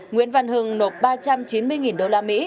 nguyễn văn hưng nộp ba trăm chín mươi usd